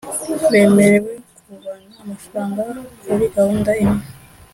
bemerewe kuvana amafaranga kuri gahunda imwe